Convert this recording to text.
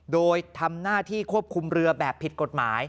โดยทำหน้าที่ควบคุมเรือแบบผิดกฎหมาย